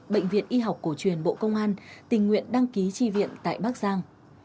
bệnh viện y học cổ truyền bộ công an tình nguyện đăng ký tri viện tại bắc giang